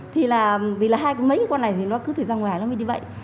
thì là vì là hai mấy con này thì nó cứ phải ra ngoài nó mới đi bệnh